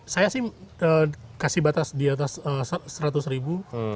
saya sih kasih batas di atas seratus ribu sampai satu ratus lima puluh ribu